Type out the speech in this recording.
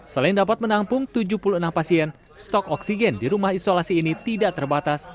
selain dapat menampung tujuh puluh enam pasien stok oksigen di rumah isolasi ini tidak terbatas